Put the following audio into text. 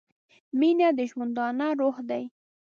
• مینه د ژوندانه روح دی.